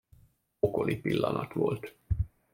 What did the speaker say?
Pokoli pillanat volt.